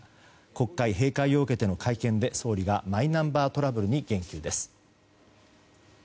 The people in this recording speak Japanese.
国会閉会を受けての会見で総理がマイナンバートラブルに言及です。